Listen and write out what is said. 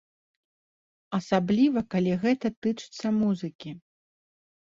Асабліва, калі гэта тычыцца музыкі.